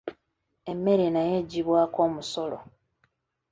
Emmere nayo eggyibwako omusolo.